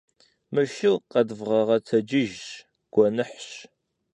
Мы шыр къэдвгъэгъэтэджыж, гуэныхьщ.